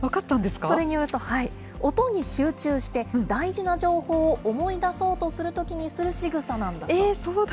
それによると、音に集中して、大事な情報を思い出そうとするときにするしぐさなんだそう。